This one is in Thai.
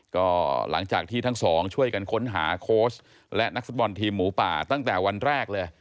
ก็หลังจากที่ทั้งสองช่วยกันค้นหาโค้ชและนักฟุตบอลทีมหมูป่าตั้งแต่วันแรกเลย